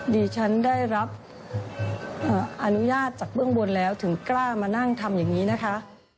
ดิฉันได้รับอนุญาตจากเบื้องบนแล้วถึงกล้ามานั่งทำอย่างนี้นะคะ